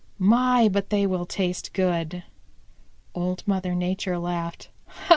My, but they will taste good!" Old Mother Nature laughed.